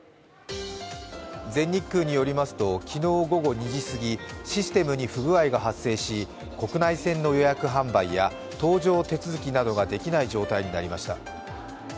全日空によりますと昨日午後２時すぎ、システムに不具合が発生し、国内線の予約・販売や搭乗手続きなどができない状態になりました。